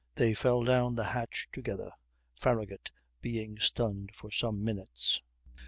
They fell down the hatch together, Farragut being stunned for some minutes.